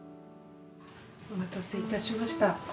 お待たせいたしました。